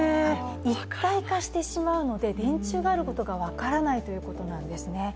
一体化してしまうので電柱があることが分からないということなんですね。